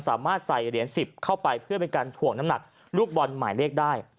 สามารถใส่เหรียญ๑๐เข้าไปเพื่อเป็นการถ่วงน้ำหนักลูกบอลหมายเลขได้